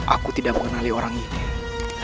aku tidak memiliki murid